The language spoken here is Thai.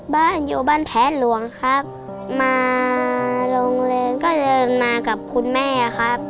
บ้านอยู่บ้านแท้หลวงครับมาโรงเรียนก็เดินมากับคุณแม่ครับ